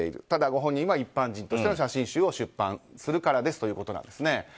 ただご本人は一般人として写真集を出版するからですということです。